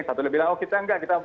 satu lebih bilang oh kita enggak